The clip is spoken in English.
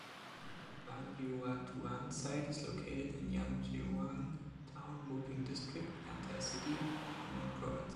Wangjiatuan site is located in Jianggezhuang Town, Mouping District, Yantai City, Shandong Province.